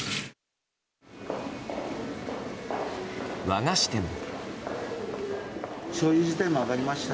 和菓子店も。